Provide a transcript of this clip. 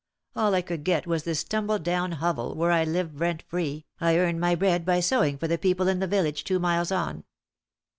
All I could get was this tumble down hovel, where I live rent free. I earn my bread by sewing for the people in the village two miles on.